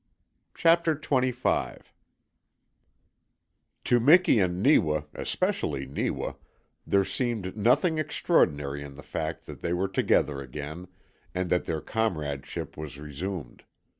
CHAPTER TWENTY FIVE To Miki and Neewa, especially Neewa, there seemed nothing extraordinary in the fact that they were together again, and that their comradeship was resumed.